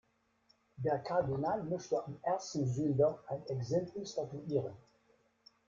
Der Kardinal möchte am ersten Sünder ein Exempel statuieren.